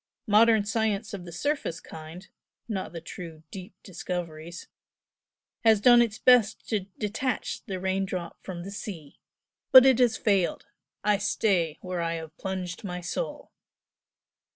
Modern science of the surface kind (not the true deep discoveries) has done its best to detach the rain drop from the sea! but it has failed. I stay where I have plunged my soul!"